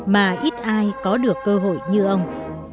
mà ít ai có được cơ hội như ông